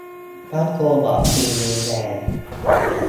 พระโคบอกปีนี้แล้ง